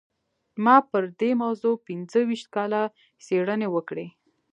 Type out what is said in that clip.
ما پر دې موضوع پينځه ويشت کاله څېړنې وکړې.